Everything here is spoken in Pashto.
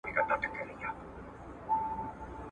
نولي هڅه کړې چي جامع تعريف وړاندي کړي.